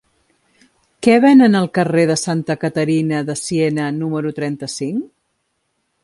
Què venen al carrer de Santa Caterina de Siena número trenta-cinc?